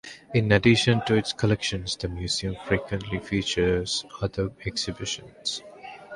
In addition to its collections, the museum frequently features other exhibitions.